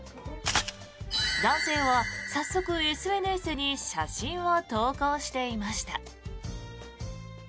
男性は早速、ＳＮＳに写真を投稿していました。